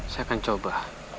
saya akan mencoba